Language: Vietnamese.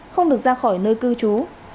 không được ra khỏi nơi cư trú